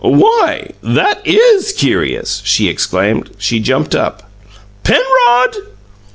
"Why, that IS curious!" she exclaimed. She jumped up. "Penrod!"